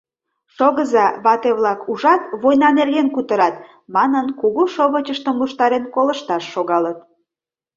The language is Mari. «Шогыза, вате-влак, ужат, война нерген кутырат!» — манын, кугу шовычыштым луштарен, колышташ шогалыт.